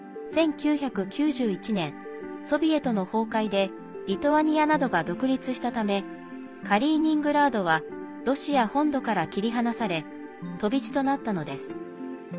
１９９１年、ソビエトの崩壊でリトアニアなどが独立したためカリーニングラードはロシア本土から切り離され飛び地となったのです。